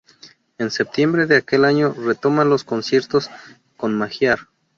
En septiembre de aquel año retoma los conciertos con "Magiar".